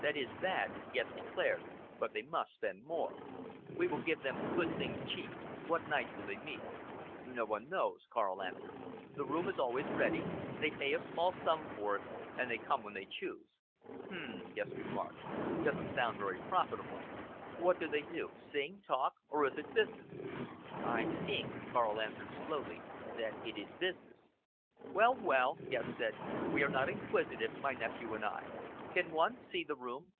"That is bad," Guest declared; "but they must spend more. We will give them good things cheap. What nights do they meet?" "No one knows," Karl answered. "The room is always ready. They pay a small sum for it, and they come when they choose." "H'm!" Guest remarked. "Doesn't sound very profitable. What do they do sing, talk, or is it business?" "I think," Karl answered slowly, "that it is business." "Well, well!" Guest said, "we are not inquisitive my nephew and I. Can one see the room?"